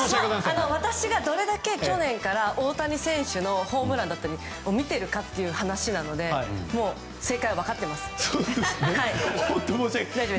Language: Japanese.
私がどれだけ去年から大谷選手のホームランだったりを見ているかという話なのでもう、正解は分かってます。